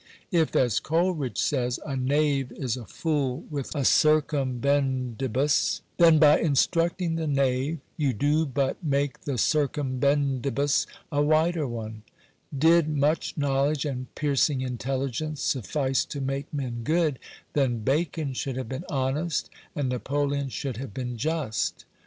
If, as Coleridge says, " a knave is a fool with a circumbendibus," then by instructing the knave you do but make the circumbendibus a wider one. Did much knowledge and piercing intelligence suffice to make men good, then Bacon should have been honest, and Napoleon should have been just.